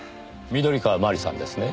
緑川万里さんですね？